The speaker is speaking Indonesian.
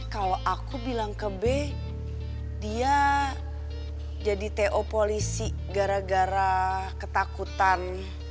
kalau aku bilang ke b dia jadi to polisi gara gara ketakutan